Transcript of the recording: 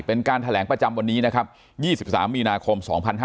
เป็นการแถลงประจำวันนี้นะครับ๒๓มีนาคม๒๕๕๙